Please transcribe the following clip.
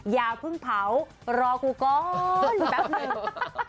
อย่าเพิ่งเผารอกูก่อนแป๊บหนึ่ง